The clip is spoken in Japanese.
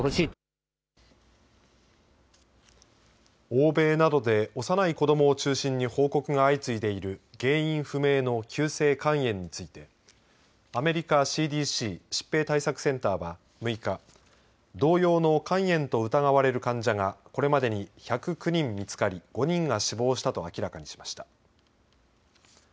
欧米などで幼い子どもを中心に報告が相次いでいる原因不明の急性肝炎についてアメリカＣＤＣ＝疾病対策センターは６日同様の肝炎と疑われる患者がこれまでに１０９人見つかり５人が死亡したと明らかにしました。